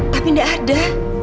tapi gak ada